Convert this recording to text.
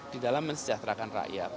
di dalam mensejahterakan rakyat